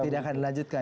tidak akan dilanjutkan